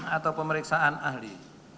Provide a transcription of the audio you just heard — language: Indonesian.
atau pemeriksaan ahli